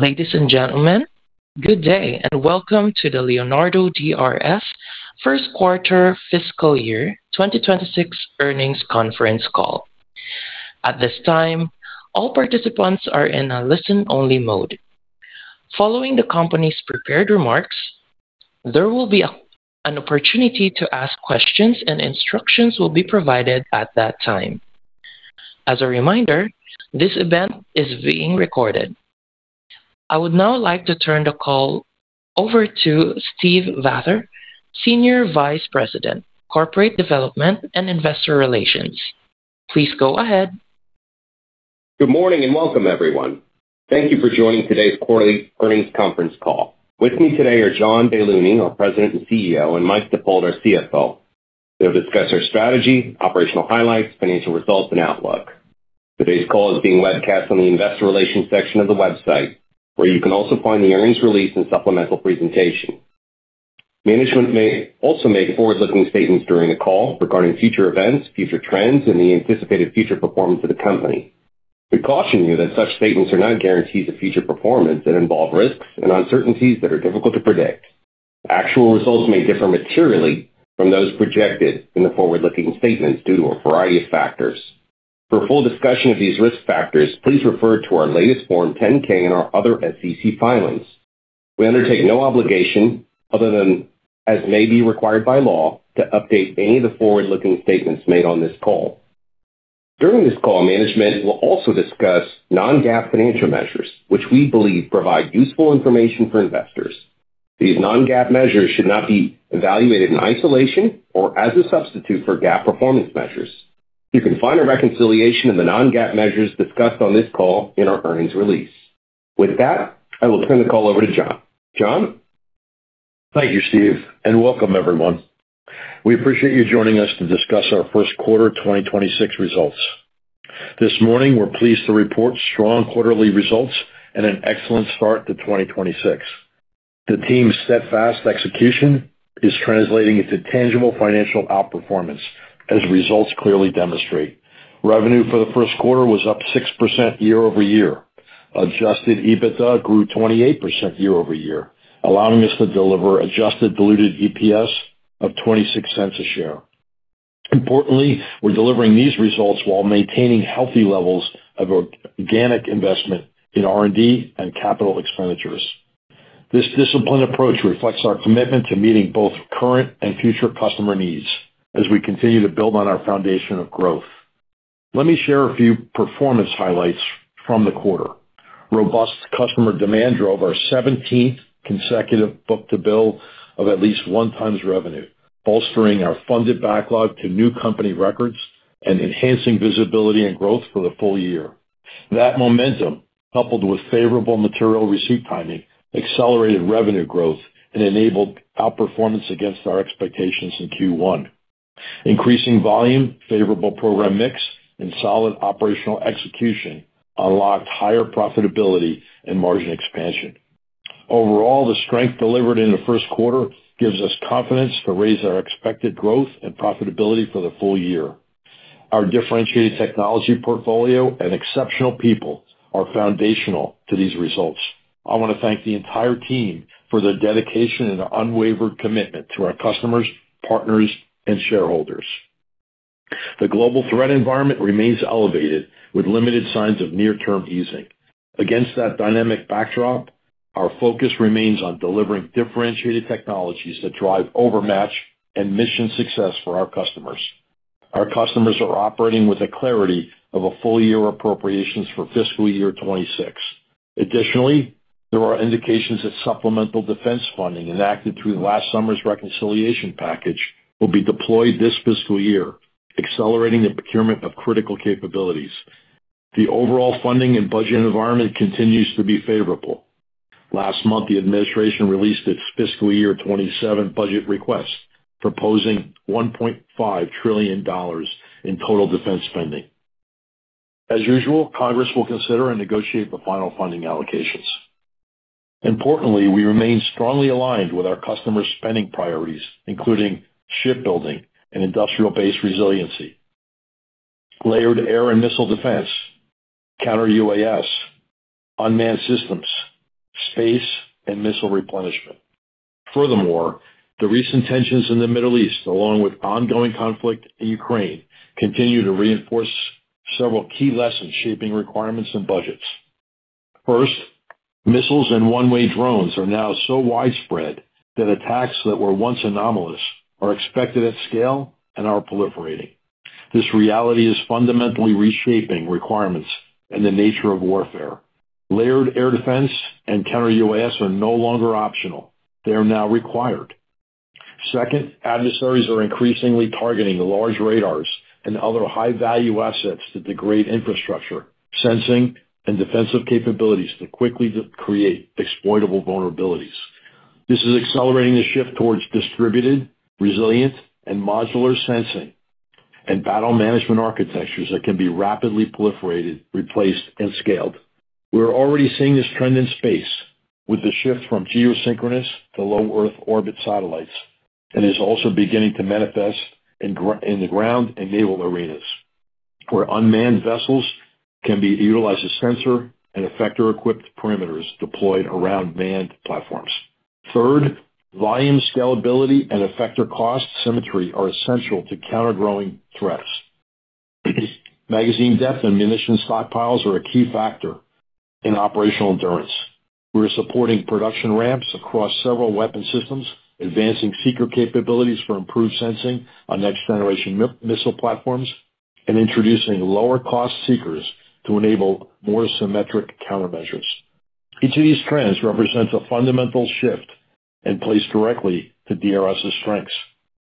Ladies and gentlemen, good day and welcome to the Leonardo DRS first quarter fiscal year 2026 earnings conference call. At this time, all participants are in a listen-only mode. Following the company's prepared remarks, there will be an opportunity to ask questions and instructions will be provided at that time. As a reminder, this event is being recorded. I would now like to turn the call over to Steve Vather, Senior Vice President, Corporate Development and Investor Relations. Please go ahead. Good morning, and welcome, everyone. Thank you for joining today's quarterly earnings conference call. With me today are John Baylouny, our President and CEO, and Mike Dippold, our CFO. They'll discuss our strategy, operational highlights, financial results, and outlook. Today's call is being webcast on the investor relations section of the website, where you can also find the earnings release and supplemental presentation. Management may also make forward-looking statements during the call regarding future events, future trends, and the anticipated future performance of the company. We caution you that such statements are not guarantees of future performance and involve risks and uncertainties that are difficult to predict. Actual results may differ materially from those projected in the forward-looking statements due to a variety of factors. For a full discussion of these risk factors, please refer to our latest Form 10-K and our other SEC filings. We undertake no obligation other than as may be required by law to update any of the forward-looking statements made on this call. During this call, management will also discuss non-GAAP financial measures, which we believe provide useful information for investors. These non-GAAP measures should not be evaluated in isolation or as a substitute for GAAP performance measures. You can find a reconciliation of the non-GAAP measures discussed on this call in our earnings release. With that, I will turn the call over to John. John? Thank you, Steve, and welcome everyone. We appreciate you joining us to discuss our first quarter 2026 results. This morning, we're pleased to report strong quarterly results and an excellent start to 2026. The team's steadfast execution is translating into tangible financial outperformance, as results clearly demonstrate. Revenue for the first quarter was up 6% year-over-year. Adjusted EBITDA grew 28% year-over-year, allowing us to deliver adjusted diluted EPS of $0.26 a share. Importantly, we're delivering these results while maintaining healthy levels of organic investment in R&D and capital expenditures. This disciplined approach reflects our commitment to meeting both current and future customer needs as we continue to build on our foundation of growth. Let me share a few performance highlights from the quarter. Robust customer demand drove our 17th consecutive book-to-bill of at least one times revenue, bolstering our funded backlog to new company records and enhancing visibility and growth for the full year. That momentum, coupled with favorable material receipt timing, accelerated revenue growth and enabled outperformance against our expectations in Q1. Increasing volume, favorable program mix, and solid operational execution unlocked higher profitability and margin expansion. Overall, the strength delivered in the first quarter gives us confidence to raise our expected growth and profitability for the full year. Our differentiated technology portfolio and exceptional people are foundational to these results. I want to thank the entire team for their dedication and unwavering commitment to our customers, partners, and shareholders. The global threat environment remains elevated, with limited signs of near-term easing. Against that dynamic backdrop, our focus remains on delivering differentiated technologies that drive overmatch and mission success for our customers. Our customers are operating with the clarity of a full-year appropriations for fiscal year 2026. Additionally, there are indications that supplemental defense funding enacted through last summer's reconciliation package will be deployed this fiscal year, accelerating the procurement of critical capabilities. The overall funding and budget environment continues to be favorable. Last month, the administration released its fiscal year 2027 budget request, proposing $1.5 trillion in total defense spending. As usual, Congress will consider and negotiate the final funding allocations. Importantly, we remain strongly aligned with our customers' spending priorities, including shipbuilding and industrial base resiliency, layered air and missile defense, counter-UAS, unmanned systems, space and missile replenishment. Furthermore, the recent tensions in the Middle East, along with ongoing conflict in Ukraine, continue to reinforce several key lessons shaping requirements and budgets. First, missiles and one-way drones are now so widespread that attacks that were once anomalous are expected at scale and are proliferating. This reality is fundamentally reshaping requirements and the nature of warfare. Layered air defense and counter-UAS are no longer optional. They are now required. Second, adversaries are increasingly targeting large radars and other high-value assets that degrade infrastructure, sensing and defensive capabilities to quickly create exploitable vulnerabilities. This is accelerating the shift towards distributed, resilient, and modular sensing and battle management architectures that can be rapidly proliferated, replaced, and scaled. We're already seeing this trend in space with the shift from geosynchronous to low Earth orbit satellites and is also beginning to manifest in the ground and naval arenas, where unmanned vessels can be utilized as sensor and effector equipped perimeters deployed around manned platforms. Third, volume scalability and effector cost symmetry are essential to counter-growing threats. Magazine depth and munition stockpiles are a key factor in operational endurance. We're supporting production ramps across several weapon systems, advancing seeker capabilities for improved sensing on next generation missile platforms, and introducing lower cost seekers to enable more symmetric countermeasures. Each of these trends represents a fundamental shift in place directly to DRS' strengths.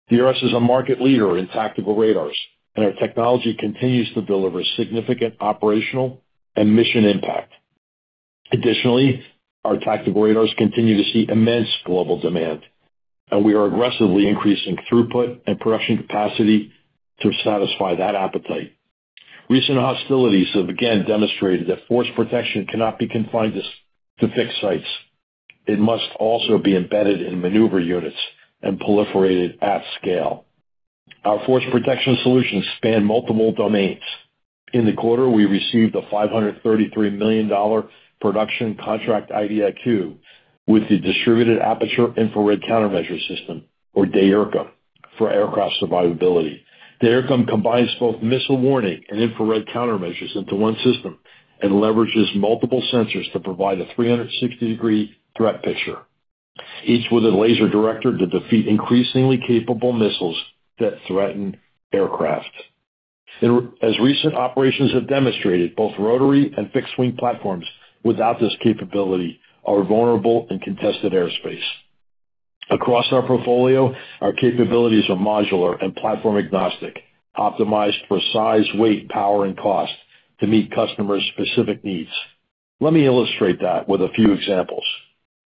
DRS is a market leader in tactical radars, and our technology continues to deliver significant operational and mission impact. Additionally, our tactical radars continue to see immense global demand, and we are aggressively increasing throughput and production capacity to satisfy that appetite. Recent hostilities have again demonstrated that force protection cannot be confined to to fixed sites. It must also be embedded in maneuver units and proliferated at scale. Our force protection solutions span multiple domains. In the quarter, we received a $533 million production contract IDIQ with the Distributed Aperture Infrared Countermeasure system, or DAIRCM, for aircraft survivability. DAIRCM combines both missile warning and infrared countermeasures into one system and leverages multiple sensors to provide a 360 degree threat picture, each with a laser director to defeat increasingly capable missiles that threaten aircraft. As recent operations have demonstrated, both rotary and fixed wing platforms without this capability are vulnerable in contested airspace. Across our portfolio, our capabilities are modular and platform agnostic, optimized for size, weight, power and cost to meet customers' specific needs. Let me illustrate that with a few examples.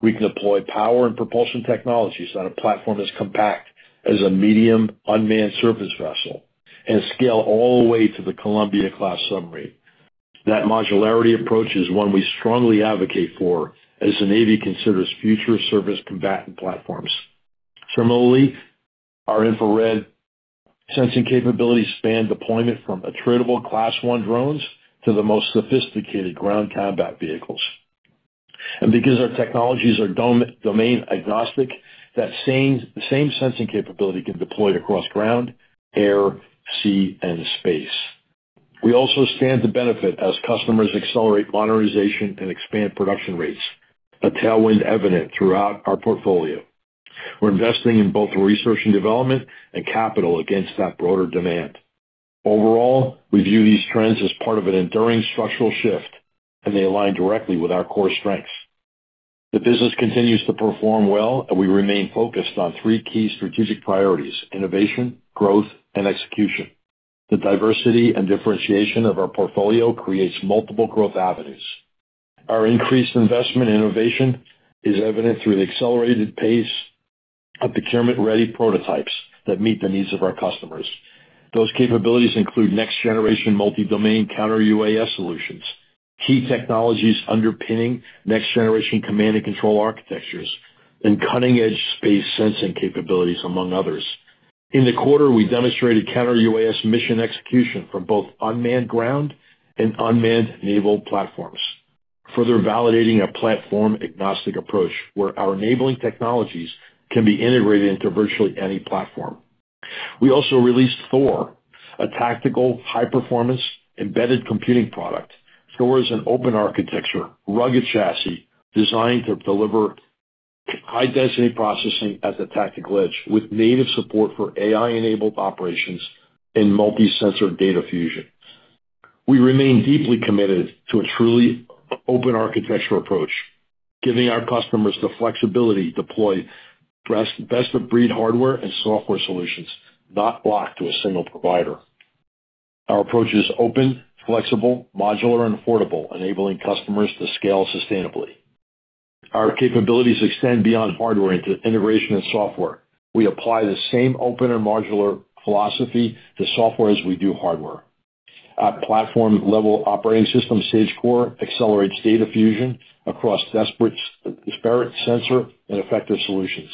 We can deploy power and propulsion technologies on a platform as compact as a medium unmanned surface vessel and scale all the way to the Columbia-class submarine. That modularity approach is one we strongly advocate for as the U.S. Navy considers future surface combatant platforms. Similarly, our infrared sensing capabilities span deployment from attritable Class 1 drones to the most sophisticated ground combat vehicles. Because our technologies are domain agnostic, that same sensing capability can deploy across ground, air, sea, and space. We also stand to benefit as customers accelerate modernization and expand production rates, a tailwind evident throughout our portfolio. We're investing in both research and development and capital against that broader demand. Overall, we view these trends as part of an enduring structural shift, and they align directly with our core strengths. The business continues to perform well, and we remain focused on three key strategic priorities: innovation, growth, and execution. The diversity and differentiation of our portfolio creates multiple growth avenues. Our increased investment in innovation is evident through the accelerated pace of procurement ready prototypes that meet the needs of our customers. Those capabilities include next generation multi-domain counter-UAS solutions, key technologies underpinning next generation command and control architectures, and cutting-edge space sensing capabilities, among others. In the quarter, we demonstrated counter-UAS mission execution from both unmanned ground and unmanned naval platforms, further validating a platform agnostic approach where our enabling technologies can be integrated into virtually any platform. We also released THOR, a tactical high-performance embedded computing product. THOR is an open architecture, rugged chassis designed to deliver high-density processing at the tactical edge with native support for AI enabled operations and multi-sensor data fusion. We remain deeply committed to a truly open architectural approach, giving our customers the flexibility to deploy best of breed hardware and software solutions, not locked to a single provider. Our approach is open, flexible, modular and affordable, enabling customers to scale sustainably. Our capabilities extend beyond hardware into integration and software. We apply the same open and modular philosophy to software as we do hardware. Our platform level operating system, SAGEcore, accelerates data fusion across disparate sensor and effective solutions,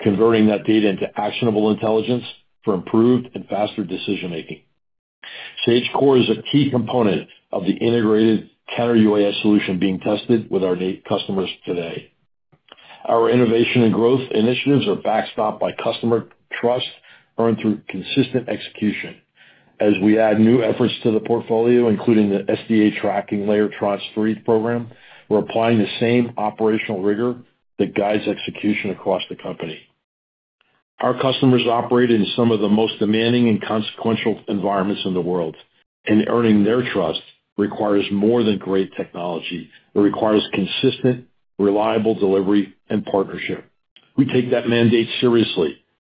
converting that data into actionable intelligence for improved and faster decision making. SAGEcore is a key component of the integrated counter-UAS solution being tested with our customers today. Our innovation and growth initiatives are backstopped by customer trust earned through consistent execution. As we add new efforts to the portfolio, including the SDA Tracking Layer Tranche 3 Program, we're applying the same operational rigor that guides execution across the company. Our customers operate in some of the most demanding and consequential environments in the world. Earning their trust requires more than great technology. It requires consistent, reliable delivery and partnership. We take that mandate seriously,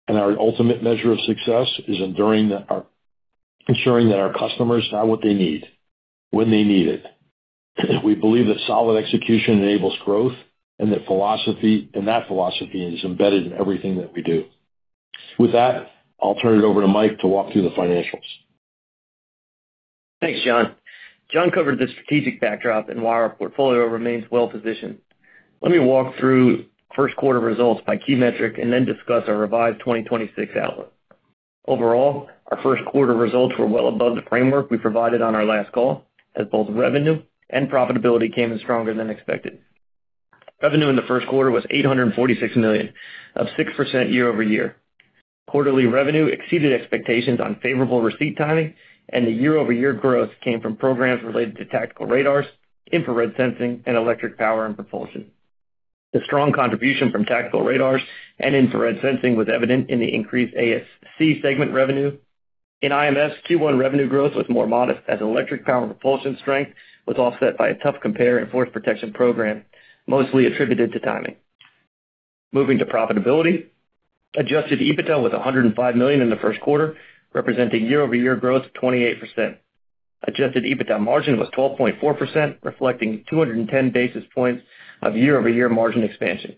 and our ultimate measure of success is ensuring that our customers have what they need when they need it. We believe that solid execution enables growth and that philosophy is embedded in everything that we do. With that, I'll turn it over to Mike to walk through the financials. Thanks, John. John covered the strategic backdrop and why our portfolio remains well-positioned. Let me walk through first quarter results by key metric and then discuss our revised 2026 outlook. Our first quarter results were well above the framework we provided on our last call, as both revenue and profitability came in stronger than expected. Revenue in the first quarter was $846 million, up 6% year-over-year. Quarterly revenue exceeded expectations on favorable receipt timing, and the year-over-year growth came from programs related to tactical radars, infrared sensing, and electric power and propulsion. The strong contribution from tactical radars and infrared sensing was evident in the increased ASC segment revenue. In IMS, Q1 revenue growth was more modest, as electric power propulsion strength was offset by a tough compare in force protection program, mostly attributed to timing. Moving to profitability, adjusted EBITDA was $105 million in the first quarter, representing year-over-year growth of 28%. Adjusted EBITDA margin was 12.4%, reflecting 210 basis points of year-over-year margin expansion.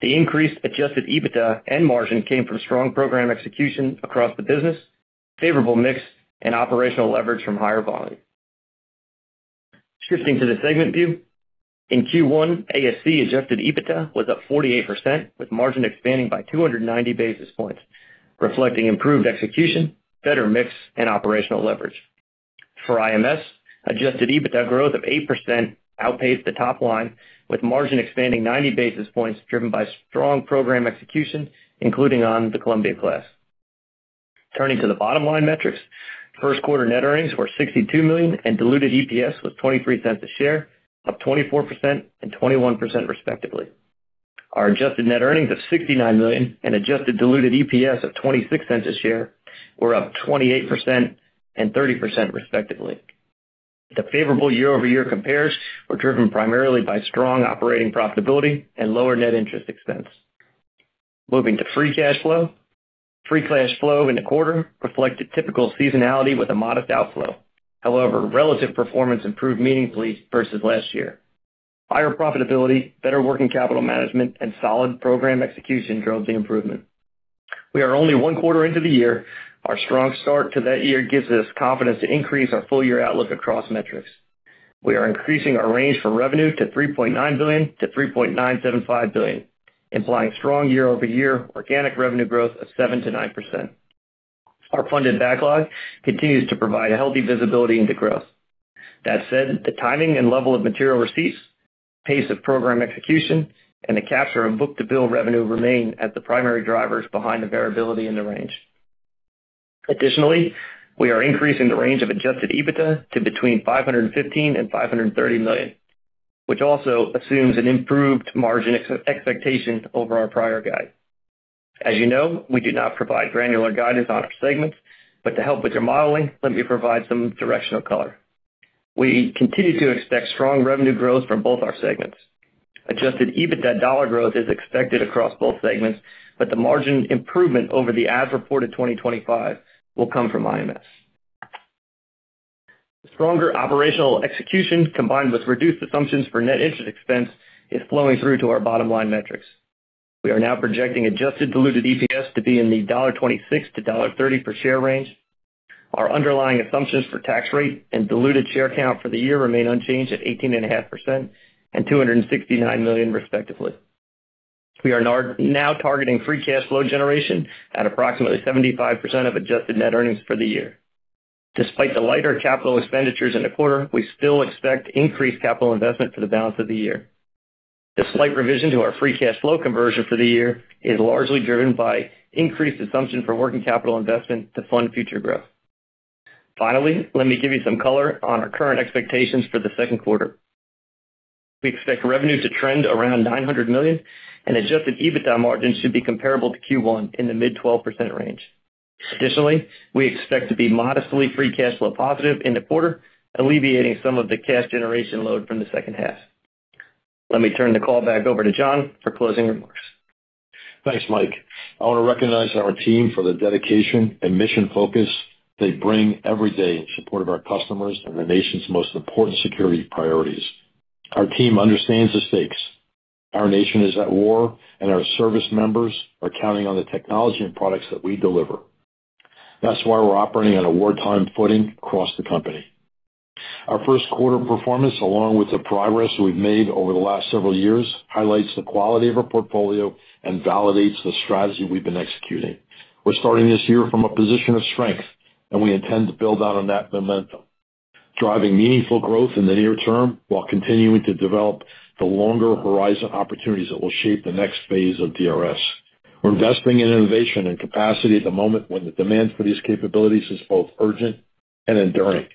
The increased adjusted EBITDA and margin came from strong program execution across the business, favorable mix, and operational leverage from higher volume. Switching to the segment view, in Q1, ASC adjusted EBITDA was up 48%, with margin expanding by 290 basis points, reflecting improved execution, better mix, and operational leverage. For IMS, adjusted EBITDA growth of 8% outpaced the top line, with margin expanding 90 basis points driven by strong program execution, including on the Columbia-class. Turning to the bottom line metrics, first quarter net earnings were $62 million, and diluted EPS was $0.23 a share, up 24% and 21% respectively. Our adjusted net earnings of $69 million and adjusted diluted EPS of $0.26 a share were up 28% and 30% respectively. The favorable year-over-year compares were driven primarily by strong operating profitability and lower net interest expense. Moving to free cash flow. Free cash flow in the quarter reflected typical seasonality with a modest outflow. However, relative performance improved meaningfully versus last year. Higher profitability, better working capital management, and solid program execution drove the improvement. We are only one quarter into the year. Our strong start to that year gives us confidence to increase our full year outlook across metrics. We are increasing our range for revenue to $3.9 billion-$3.975 billion, implying strong year-over-year organic revenue growth of 7%-9%. Our funded backlog continues to provide a healthy visibility into growth. That said, the timing and level of material receipts, pace of program execution, and the capture and book-to-bill revenue remain as the primary drivers behind the variability in the range. Additionally, we are increasing the range of adjusted EBITDA to between $515 million and $530 million, which also assumes an improved margin expectation over our prior guide. As you know, we do not provide granular guidance on our segments, to help with your modeling, let me provide some directional color. We continue to expect strong revenue growth from both our segments. Adjusted EBITDA dollar growth is expected across both segments, but the margin improvement over the as-reported 2025 will come from IMS. Stronger operational execution combined with reduced assumptions for net interest expense is flowing through to our bottom line metrics. We are now projecting adjusted diluted EPS to be in the $1.26 per share-$1.30 per share range. Our underlying assumptions for tax rate and diluted share count for the year remain unchanged at 18.5% and $269 million respectively. We are now targeting free cash flow generation at approximately 75% of adjusted net earnings for the year. Despite the lighter capital expenditures in the quarter, we still expect increased capital investment for the balance of the year. The slight revision to our free cash flow conversion for the year is largely driven by increased assumption for working capital investment to fund future growth. Let me give you some color on our current expectations for the second quarter. We expect revenue to trend around $900 million, and adjusted EBITDA margin should be comparable to Q1 in the mid-12% range. Additionally, we expect to be modestly free cash flow positive in the quarter, alleviating some of the cash generation load from the second half. Let me turn the call back over to John for closing remarks. Thanks, Mike. I wanna recognize our team for the dedication and mission focus they bring every day in support of our customers and the nation's most important security priorities. Our team understands the stakes. Our nation is at war. Our service members are counting on the technology and products that we deliver. That's why we're operating on a wartime footing across the company. Our first quarter performance, along with the progress we've made over the last several years, highlights the quality of our portfolio and validates the strategy we've been executing. We're starting this year from a position of strength. We intend to build on that momentum, driving meaningful growth in the near term while continuing to develop the longer horizon opportunities that will shape the next phase of DRS. We're investing in innovation and capacity at the moment when the demand for these capabilities is both urgent and enduring.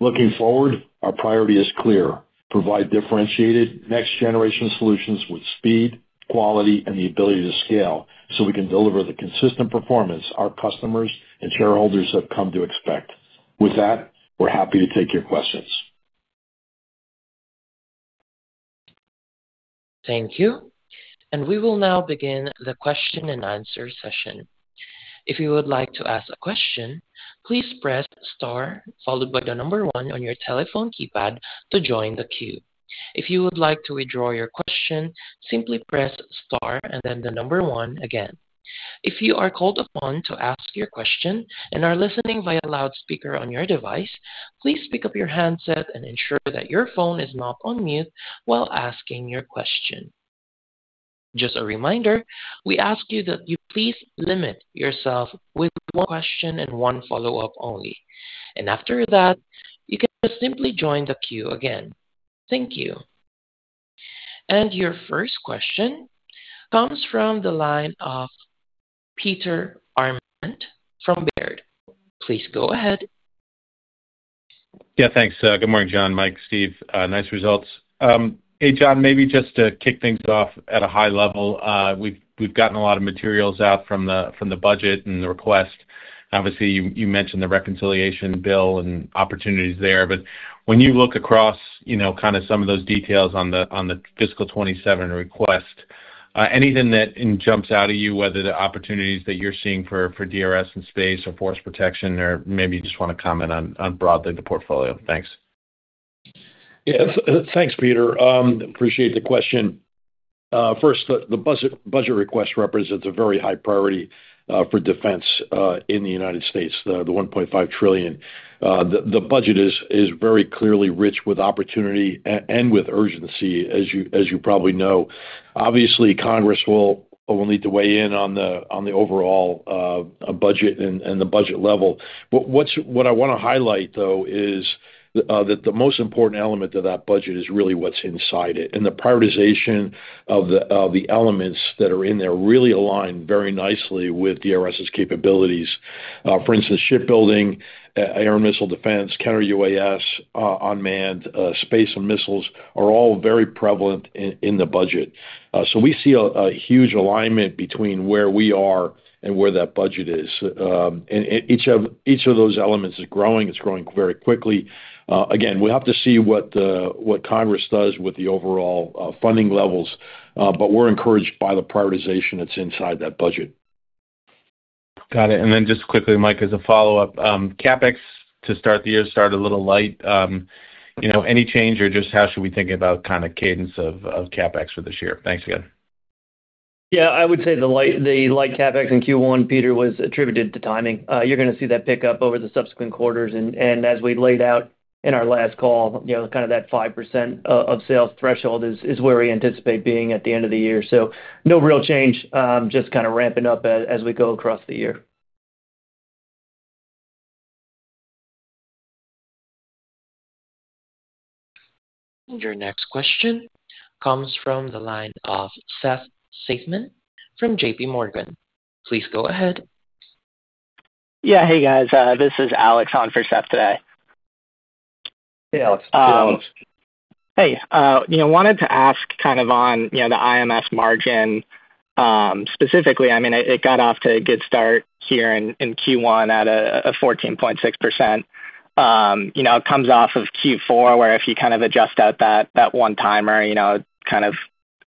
Looking forward, our priority is clear: provide differentiated next-generation solutions with speed, quality, and the ability to scale so we can deliver the consistent performance our customers and shareholders have come to expect. With that, we're happy to take your questions. Thank you. We will now begin the Q&A session. If you would like to ask a question, please press star followed by the number one on your telephone keypad to join the queue. If you would like to withdraw your question, simply press star and then the number one again. If you are called upon to ask your question and are listening via loudspeaker on your device, please pick up your handset and ensure that your phone is not on mute while asking your question. Just a reminder, we ask you that you please limit yourself with one question and one follow-up only. After that, you can simply join the queue again. Thank you. Your first question comes from the line of Peter Arment from Baird. Please go ahead. Yeah, thanks. Good morning, John, Mike, Steve. Nice results. Hey, John, maybe just to kick things off at a high level. We've gotten a lot of materials out from the budget and the request. Obviously, you mentioned the reconciliation bill and opportunities there. When you look across, you know, kind of some of those details on the fiscal 27 request, anything that jumps out at you, whether the opportunities that you're seeing for DRS in space or force protection or maybe you just want to comment on broadly the portfolio. Thanks. Yeah. Thanks, Peter. Appreciate the question. First, the budget request represents a very high priority for defense in the U.S., the $1.5 trillion. The budget is very clearly rich with opportunity and with urgency, as you probably know. Obviously, Congress will need to weigh in on the overall budget and the budget level. What I want to highlight, though, is that the most important element of that budget is really what's inside it. The prioritization of the elements that are in there really align very nicely with DRS' capabilities. For instance, shipbuilding, air and missile defense, counter UAS, unmanned, space and missiles are all very prevalent in the budget. We see a huge alignment between where we are and where that budget is. Each of those elements is growing. It's growing very quickly. Again, we have to see what Congress does with the overall funding levels, but we're encouraged by the prioritization that's inside that budget. Got it. Just quickly, Mike, as a follow-up, CapEx to start the year started a little light. You know, any change or just how should we think about kind of cadence of CapEx for this year? Thanks again. Yeah, I would say the light CapEx in Q1, Peter, was attributed to timing. You're going to see that pick up over the subsequent quarters. As we laid out in our last call, you know, kind of that 5% of sales threshold is where we anticipate being at the end of the year. No real change, just kind of ramping up as we go across the year. Your next question comes from the line of Seth Seifman from JPMorgan. Please go ahead. Yeah. Hey, guys. This is Alex on for Seth today. Hey, Alex. Hey, you know, wanted to ask kind of on, you know, the IMS margin, specifically, I mean, it got off to a good start here in Q1 at a 14.6%. You know, it comes off of Q4, where if you kind of adjust out that one-timer, you know, kind of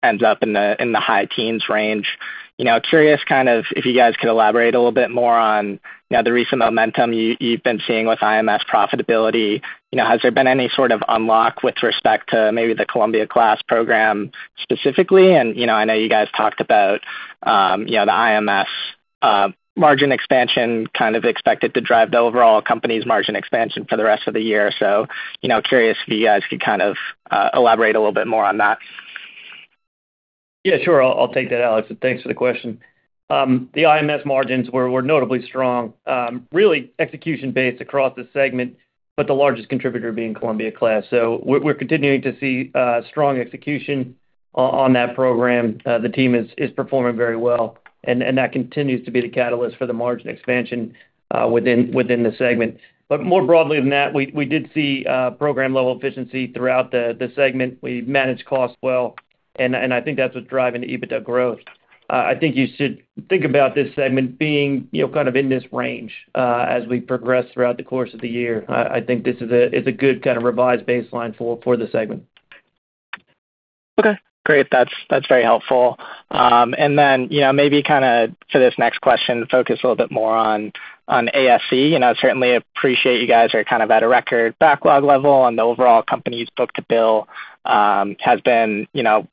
ends up in the, in the high teens range. You know, curious kind of if you guys could elaborate a little bit more on, you know, the recent momentum you've been seeing with IMS profitability. You know, has there been any sort of unlock with respect to maybe the Columbia-class program specifically? You know, I know you guys talked about, you know, the IMS, margin expansion kind of expected to drive the overall company's margin expansion for the rest of the year. You know, curious if you guys could kind of elaborate a little bit more on that. Yeah, sure. I'll take that, Alex. Thanks for the question. The IMS margins were notably strong. Really execution based across the segment. The largest contributor being Columbia-class. We're continuing to see strong execution on that program. The team is performing very well, and that continues to be the catalyst for the margin expansion within the segment. More broadly than that, we did see program-level efficiency throughout the segment. We managed costs well. I think that's what's driving the EBITDA growth. I think you should think about this segment being, you know, kind of in this range as we progress throughout the course of the year. I think this is a good kind of revised baseline for the segment. Okay, great. That's very helpful. You know, maybe kind of for this next question, focus a little bit more on ASC. You know, certainly appreciate you guys are kind of at a record backlog level. The overall company's book-to-bill has been, you know,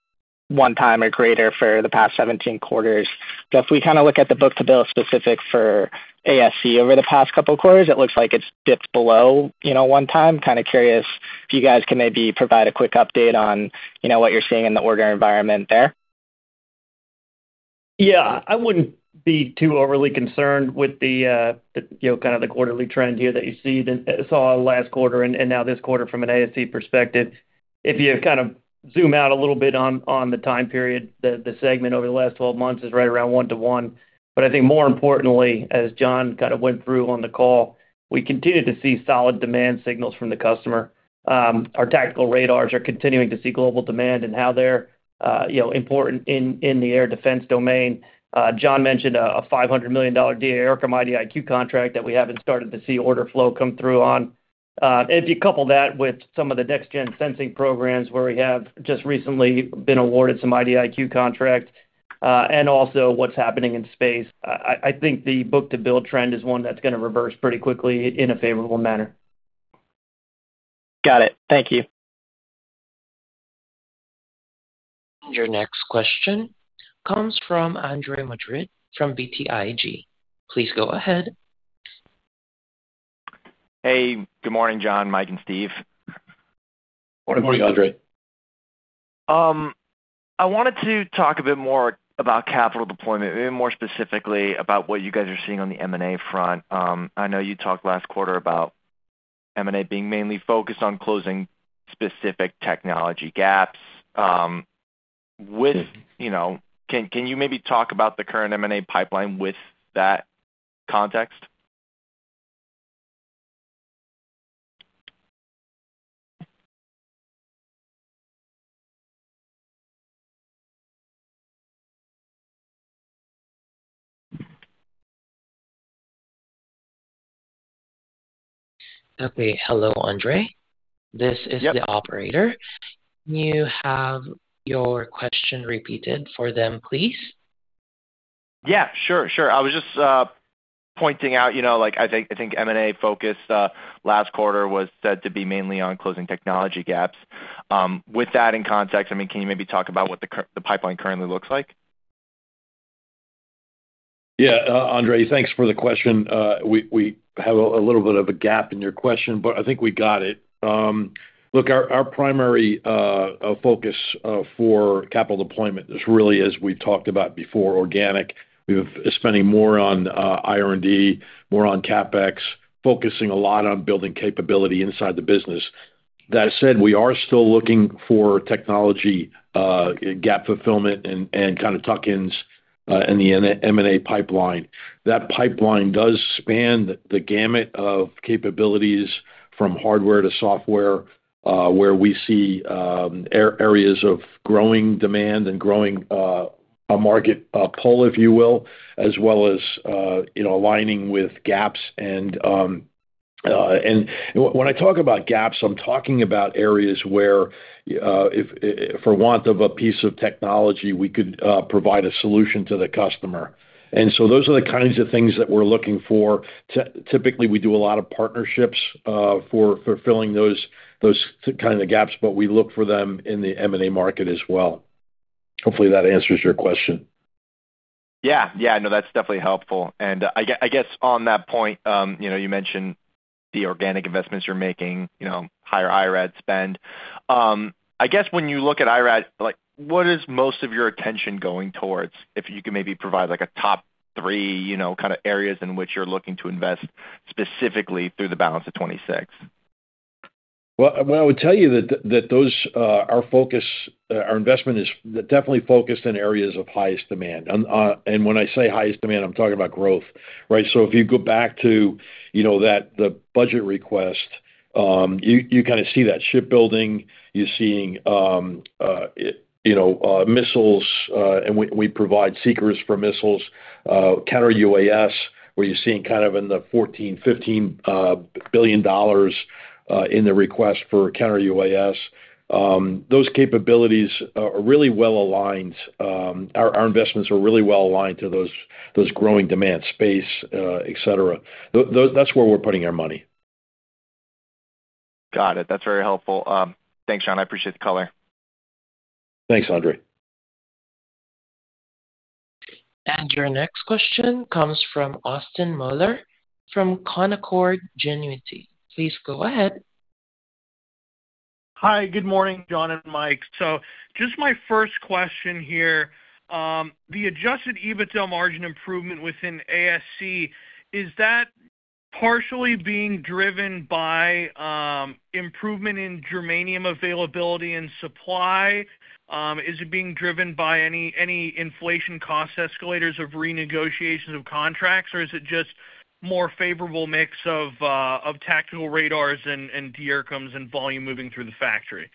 one time or greater for the past 17 quarters. If we kind of look at the book-to-bill specific for ASC over the past couple quarters, it looks like it's dipped below, you know, one time. Kind of curious if you guys can maybe provide a quick update on, you know, what you're seeing in the order environment there. Yeah. I wouldn't be too overly concerned with the, you know, kind of the quarterly trend here that you see, saw last quarter and now this quarter from an ASC perspective. If you kind of zoom out a little bit on the time period, the segment over the last 12 months is right around 1/1. I think more importantly, as John kind of went through on the call, we continue to see solid demand signals from the customer. Our tactical radars are continuing to see global demand and how they're, you know, important in the air defense domain. John mentioned a $500 million DAIRCM IDIQ contract that we haven't started to see order flow come through on. If you couple that with some of the next gen sensing programs where we have just recently been awarded some IDIQ contracts. Also what's happening in space. I think the book-to-bill trend is one that's gonna reverse pretty quickly in a favorable manner. Got it. Thank you. Your next question comes from Andre Madrid from BTIG. Please go ahead. Hey, good morning, John, Mike, and Steve. Good morning, Andre. I wanted to talk a bit more about capital deployment, a bit more specifically about what you guys are seeing on the M&A front. I know you talked last quarter about M&A being mainly focused on closing specific technology gaps. Can you maybe talk about the current M&A pipeline with that context? Okay. Hello, Andre. Yep. This is the operator. Can you have your question repeated for them, please? Yeah, sure. I was just pointing out, you know, like, I think M&A focus last quarter was said to be mainly on closing technology gaps. With that in context, I mean, can you maybe talk about what the pipeline currently looks like? Yeah. Andre, thanks for the question. We had a little bit of a gap in your question, but I think we got it. Look, our primary focus for capital deployment is really, as we've talked about before, organic. We are spending more on IR&D, more on CapEx, focusing a lot on building capability inside the business. That said, we are still looking for technology gap fulfillment and kind of tuck-ins in the M&A pipeline. That pipeline does span the gamut of capabilities from hardware to software, where we see areas of growing demand and growing a market poll, if you will, as well as, you know, aligning with gaps. When I talk about gaps, I'm talking about areas where if for want of a piece of technology, we could provide a solution to the customer. So those are the kinds of things that we're looking for. Typically, we do a lot of partnerships for fulfilling those kind of gaps, but we look for them in the M&A market as well. Hopefully that answers your question. Yeah. Yeah, no, that's definitely helpful. I guess on that point, you know, you mentioned the organic investments you're making, you know, higher IRAD spend. I guess when you look at IRAD, like, what is most of your attention going towards? If you could maybe provide like a top three, you know, kind of areas in which you're looking to invest specifically through the balance of 2026. What I would tell you that our focus, our investment is definitely focused in areas of highest demand. When I say highest demand, I'm talking about growth, right? If you go back to, you know, the budget request, you kind of see that shipbuilding. You're seeing, you know, missiles, and we provide seekers for missiles. Counter-UAS, where you're seeing kind of in the $14 billion-$15 billion in the request for counter-UAS. Those capabilities are really well-aligned. Our investments are really well-aligned to those growing demand space, et cetera. That's where we're putting our money. Got it. That's very helpful. Thanks, John. I appreciate the color. Thanks, Andre. Your next question comes from Austin Moeller from Canaccord Genuity. Please go ahead. Hi, good morning, John and Mike. Just my first question here. The adjusted EBITDA margin improvement within ASC, is that partially being driven by improvement in germanium availability and supply? Is it being driven by any inflation cost escalators of renegotiation of contracts, or is it just more favorable mix of tactical radars and DAIRCMs and volume moving through the factory?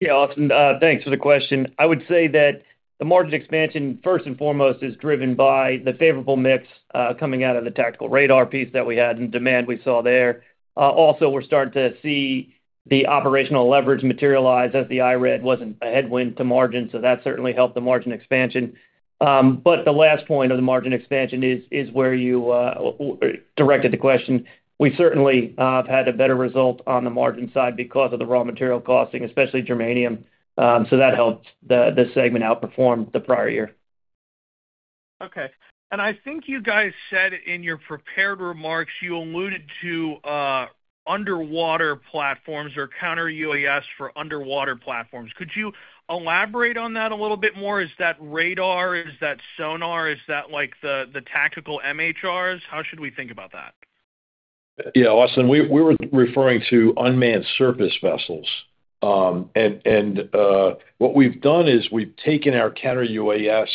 Yeah, Austin, thanks for the question. I would say that the margin expansion, first and foremost, is driven by the favorable mix, coming out of the tactical radar piece that we had and demand we saw there. Also, we're starting to see the operational leverage materialize as the IRAD wasn't a headwind to margin, so that certainly helped the margin expansion. The last point of the margin expansion is where you directed the question. We certainly had a better result on the margin side because of the raw material costing, especially germanium. That helped the segment outperform the prior year. Okay. I think you guys said in your prepared remarks, you alluded to underwater platforms or counter-UAS for underwater platforms. Could you elaborate on that a little bit more? Is that radar? Is that sonar? Is that, like, the tactical MHRs? How should we think about that? Yeah, Austin, we were referring to unmanned surface vessels. What we've done is we've taken our counter-UAS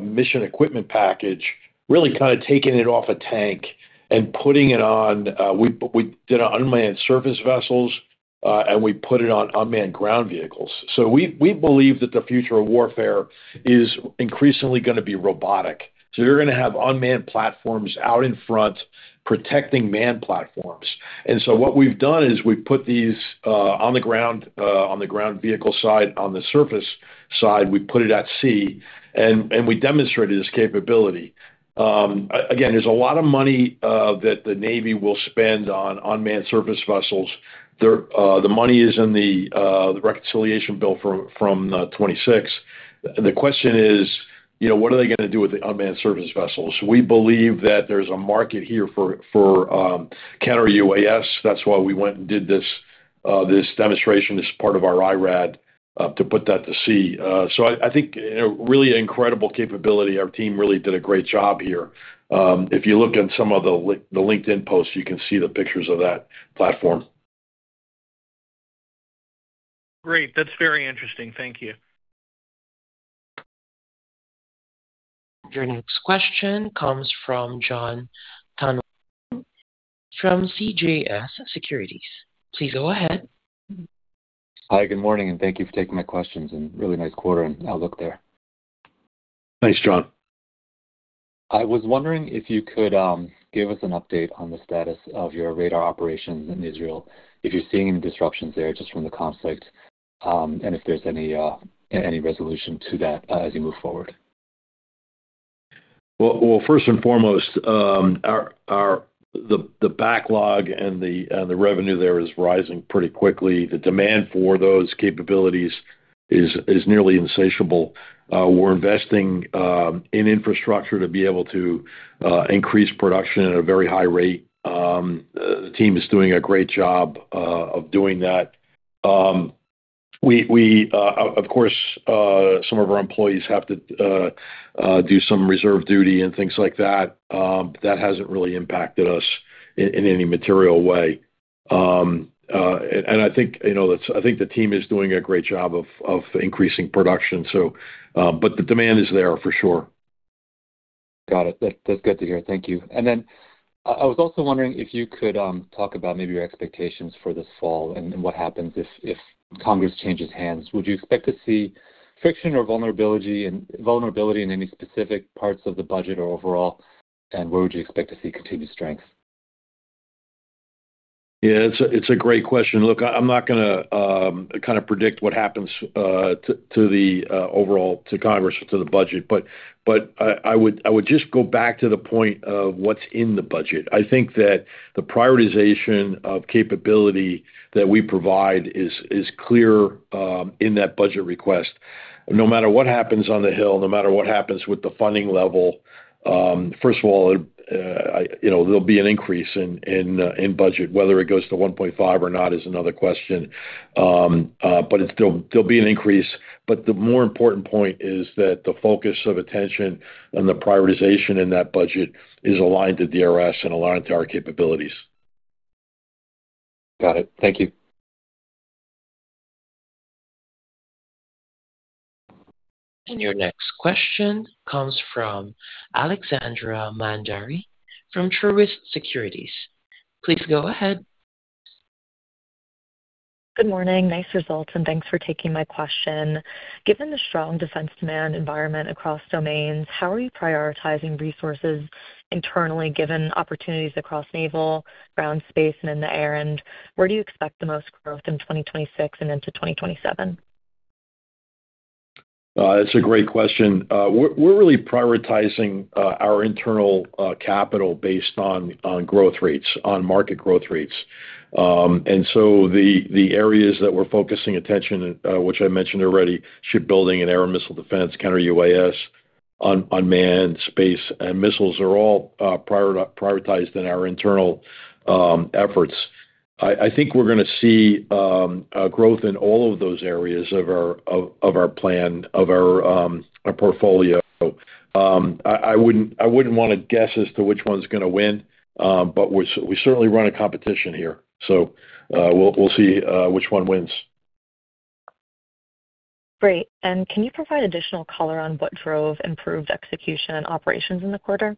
mission equipment package, really kind of taken it off a tank and putting it on unmanned surface vessels. We put it on unmanned ground vehicles. We believe that the future of warfare is increasingly gonna be robotic. You're gonna have unmanned platforms out in front protecting manned platforms. What we've done is we've put these on the ground, on the ground vehicle side, on the surface side, we put it at sea, we demonstrated this capability. Again, there's a lot of money that the Navy will spend on unmanned surface vessels. The money is in the reconciliation bill from 2026. The question is, you know, what are they gonna do with the unmanned surface vessels? We believe that there's a market here for counter-UAS. That's why we went and did this demonstration as part of our IRAD to put that to sea. I think, you know, really incredible capability. Our team really did a great job here. If you look at some of the LinkedIn posts, you can see the pictures of that platform. Great. That's very interesting. Thank you. Your next question comes from Jon Tanwanteng from CJS Securities. Please go ahead. Hi. Good morning, and thank you for taking my questions. Really nice quarter and outlook there. Thanks, Jon. I was wondering if you could give us an update on the status of your radar operations in Israel, if you're seeing any disruptions there just from the conflict, and if there's any resolution to that as you move forward? Well, first and foremost, our backlog and the revenue there is rising pretty quickly. The demand for those capabilities is nearly insatiable. We're investing in infrastructure to be able to increase production at a very high rate. The team is doing a great job of doing that. We, of course, some of our employees have to do some reserve duty and things like that, but that hasn't really impacted us in any material way. I think, you know, that's I think the team is doing a great job of increasing production, but the demand is there for sure. Got it. That's good to hear. Thank you. I was also wondering if you could talk about maybe your expectations for this fall and what happens if Congress changes hands. Would you expect to see friction or vulnerability in any specific parts of the budget or overall? Where would you expect to see continued strength? Yeah. It's a great question. Look, I'm not gonna kind of predict what happens to the overall to Congress or to the budget, but I would just go back to the point of what's in the budget. I think that the prioritization of capability that we provide is clear in that budget request. No matter what happens on the Hill, no matter what happens with the funding level, first of all, I, you know, there'll be an increase in budget. Whether it goes to 1.5 or not is another question. There'll be an increase. The more important point is that the focus of attention and the prioritization in that budget is aligned to DRS and aligned to our capabilities. Got it. Thank you. Your next question comes from Alexandra Mandery from Truist Securities. Please go ahead. Good morning. Nice results, and thanks for taking my question. Given the strong defense demand environment across domains, how are you prioritizing resources internally, given opportunities across naval, ground, space, and in the air? Where do you expect the most growth in 2026 and into 2027? It's a great question. We're really prioritizing our internal capital based on growth rates, on market growth rates. The areas that we're focusing attention, which I mentioned already, shipbuilding and air and missile defense, counter-UAS, unmanned space, and missiles are all prioritized in our internal efforts. I think we're gonna see growth in all of those areas of our plan, of our portfolio. I wouldn't, I wouldn't wanna guess as to which one's gonna win, we certainly run a competition here. We'll see which one wins. Great. Can you provide additional color on what drove improved execution and operations in the quarter?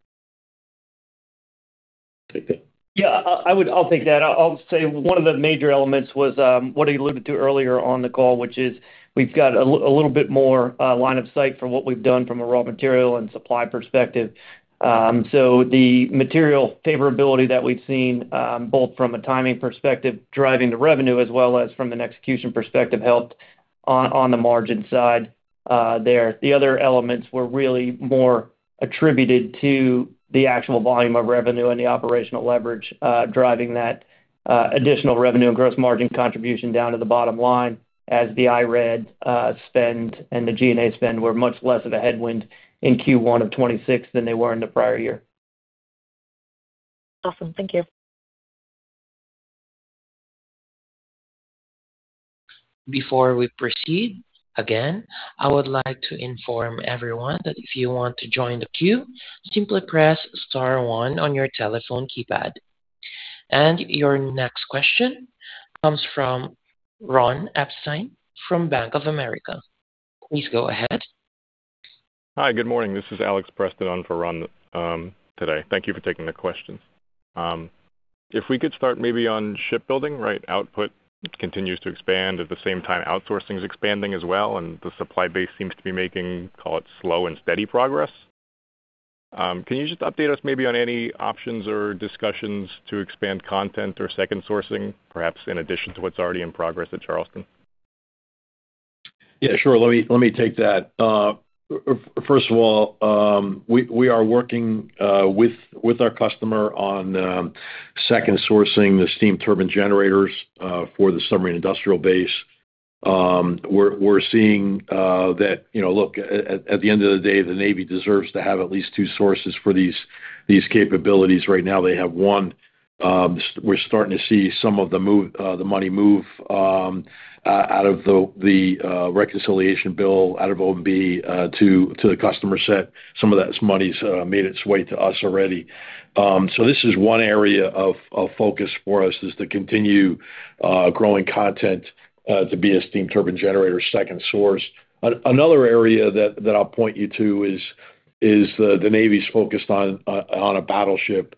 Take that. Yeah. I'll take that. I'll say one of the major elements was what I alluded to earlier on the call, which is we've got a little bit more line of sight from what we've done from a raw material and supply perspective. The material favorability that we've seen, both from a timing perspective driving the revenue as well as from an execution perspective helped on the margin side there. The other elements were really more attributed to the actual volume of revenue and the operational leverage driving that additional revenue and gross margin contribution down to the bottom line as the IRAD spend and the G&A spend were much less of a headwind in Q1 2026 than they were in the prior year. Awesome. Thank you. Before we proceed, again, I would like to inform everyone that if you want to join the queue, simply press star one on your telephone keypad. Your next question comes from Ron Epstein from Bank of America. Please go ahead. Hi, good morning. This is Alex Preston on for Ron, today. Thank you for taking the questions. If we could start maybe on shipbuilding, right? Output continues to expand. At the same time, outsourcing is expanding as well, and the supply base seems to be making, call it, slow and steady progress. Can you just update us maybe on any options or discussions to expand content or second sourcing, perhaps in addition to what's already in progress at Charleston? Yeah, sure. Let me take that. First of all, we are working with our customer on second sourcing the steam turbine generators for the submarine industrial base. We're seeing that, you know, at the end of the day, the Navy deserves to have at least two sources for these capabilities. Right now, they have one. We're starting to see some of the money move out of the reconciliation bill out of OMB to the customer set. Some of that money's made its way to us already. This is 1 area of focus for us, is to continue growing content to be a steam turbine generator second source. Another area that I'll point you to is the U.S. Navy's focused on a battleship.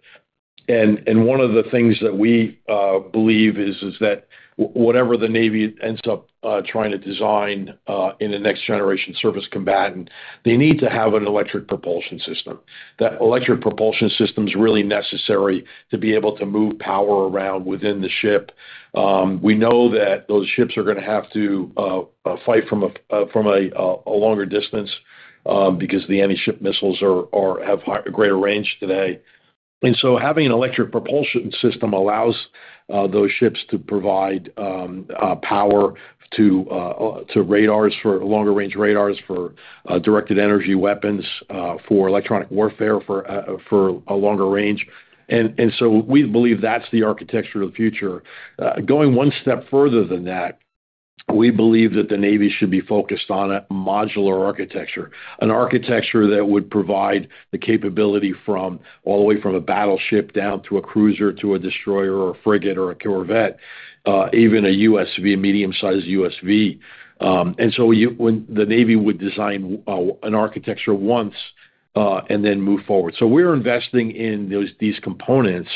One of the things that we believe is that whatever the U.S. Navy ends up trying to design in the next generation surface combatant, they need to have an electric propulsion system. That electric propulsion system's really necessary to be able to move power around within the ship. We know that those ships are gonna have to fight from a from a longer distance because the anti-ship missiles are have higher, greater range today. Having an electric propulsion system allows those ships to provide power to radars for longer range radars, for directed energy weapons, for electronic warfare for a longer range. We believe that's the architecture of the future. Going one step further than that, we believe that the Navy should be focused on a modular architecture, an architecture that would provide the capability from all the way from a battleship down to a cruiser to a destroyer or a frigate or a corvette, even a USV, a medium-sized USV. When the Navy would design an architecture once and then move forward. We're investing in these components,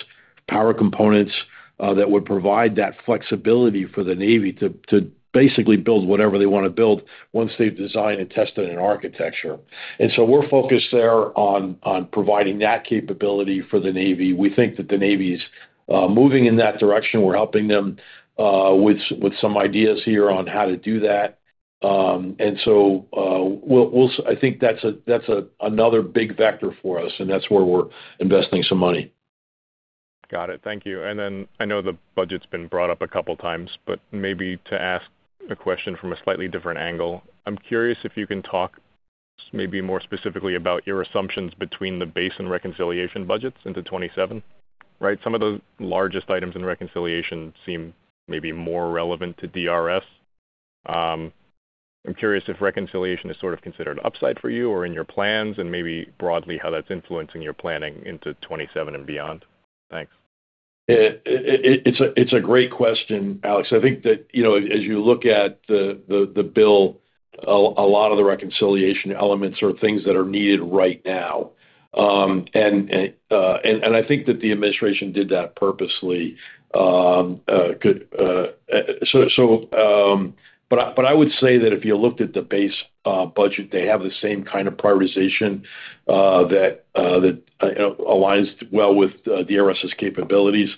power components, that would provide that flexibility for the Navy to basically build whatever they wanna build once they've designed and tested an architecture. We're focused there on providing that capability for the Navy. We think that the Navy is moving in that direction. We're helping them with some ideas here on how to do that. We'll I think that's another big vector for us, and that's where we're investing some money. Got it. Thank you. I know the budget's been brought up a couple times, but maybe to ask a question from a slightly different angle. I'm curious if you can talk maybe more specifically about your assumptions between the base and reconciliation budgets into 27, right? Some of the largest items in reconciliation seem maybe more relevant to DRS. I'm curious if reconciliation is sort of considered upside for you or in your plans, and maybe broadly how that's influencing your planning into 27 and beyond. Thanks. It's a great question, Alex. I think that, you know, as you look at the bill, a lot of the reconciliation elements are things that are needed right now. I think that the administration did that purposely. I would say that if you looked at the base budget, they have the same kind of prioritization that aligns well with DRS' capabilities.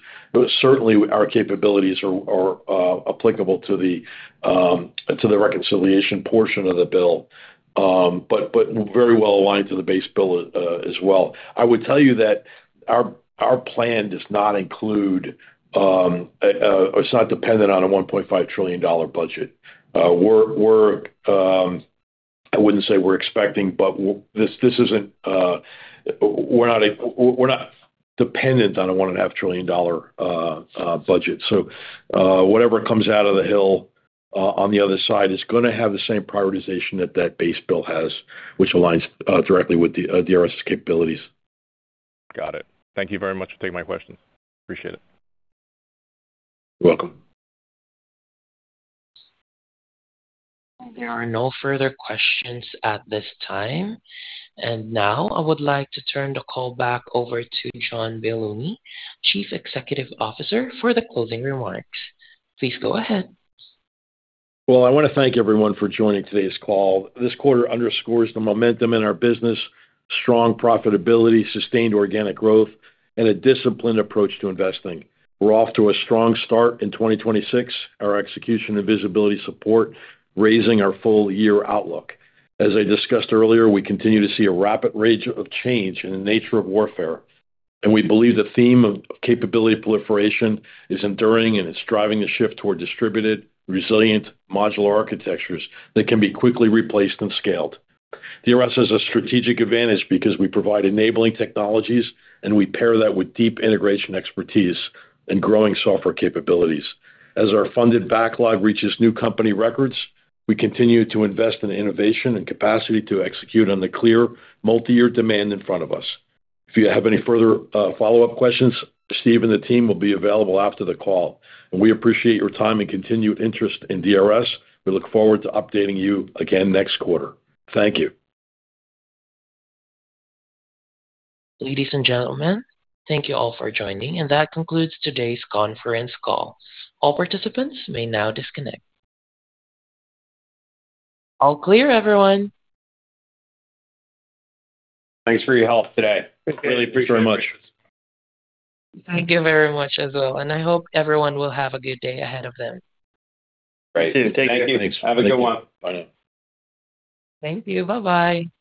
Certainly our capabilities are applicable to the reconciliation portion of the bill. Very well aligned to the base bill as well. I would tell you that our plan does not include, it's not dependent on a $1.5 trillion budget. We're, I wouldn't say we're expecting, but this isn't, we're not dependent on a $1.5 trillion budget. Whatever comes out of the Hill on the other side is gonna have the same prioritization that that base bill has, which aligns directly with the DRS capabilities. Got it. Thank you very much for taking my question. Appreciate it. You're welcome. There are no further questions at this time. Now I would like to turn the call back over to John Baylouny, Chief Executive Officer, for the closing remarks. Please go ahead. Well, I wanna thank everyone for joining today's call. This quarter underscores the momentum in our business, strong profitability, sustained organic growth, and a disciplined approach to investing. We're off to a strong start in 2026. Our execution and visibility support raising our full year outlook. As I discussed earlier, we continue to see a rapid rate of change in the nature of warfare, and we believe the theme of capability proliferation is enduring, and it's driving the shift toward distributed, resilient, modular architectures that can be quickly replaced and scaled. DRS has a strategic advantage because we provide enabling technologies, and we pair that with deep integration expertise and growing software capabilities. As our funded backlog reaches new company records, we continue to invest in innovation and capacity to execute on the clear multi-year demand in front of us. If you have any further, follow-up questions, Steve and the team will be available after the call. We appreciate your time and continued interest in DRS. We look forward to updating you again next quarter. Thank you. Ladies and gentlemen, thank you all for joining, and that concludes today's conference call. All participants may now disconnect. All clear, everyone. Thanks for your help today. Really appreciate it. Thank you very much as well. I hope everyone will have a good day ahead of them. Great. Thank you. Have a good one. Bye now. Thank you. Bye-bye.